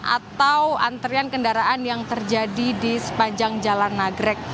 atau antrian kendaraan yang terjadi di sepanjang jalan nagrek